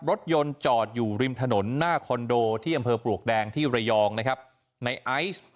รถยนต์จอดอยู่ริมถนนหน้าคอนโดที่อำเภอปลวกแดงที่ระยองนะครับในไอซ์